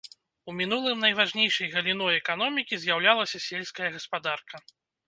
У мінулым найважнейшай галіной эканомікі з'яўлялася сельская гаспадарка.